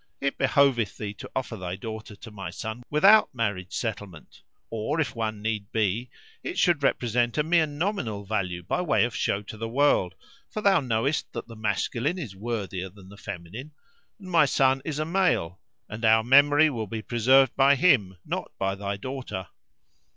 It behoveth thee to offer thy daughter to my son without marriage settlement; or if one need be, it should represent a mere nominal value by way of show to the world: for thou knowest that the masculine is worthier than the feminine, and my son is a male and our memory will be preserved by him, not by thy daughter."